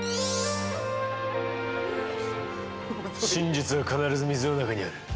真実は必ず水の中にある。